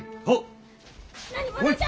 あっ！